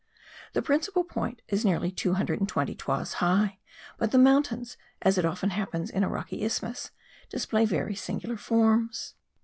The principal point is nearly two hundred and twenty toises high; but the mountains, as it often happens in a rocky isthmus, display very singular forms.